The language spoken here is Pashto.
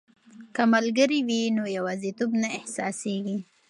که ملګري وي نو یوازیتوب نه احساسیږي.